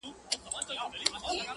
او پر ښکلې نوراني ږیره به توی کړي،